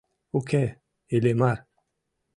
— Уке, Иллимар!